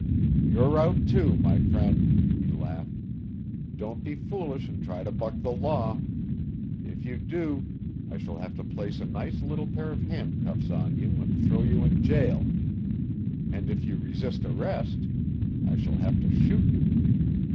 "You're out, too, my friend," he laughed. "Don't be foolish and try to buck the law. If you do, I shall have to place a nice little pair of handcuffs on you and throw you in jail and if you resist arrest, I shall have to shoot you.